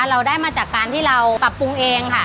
เราได้มาจากการที่เราปรับปรุงเองค่ะ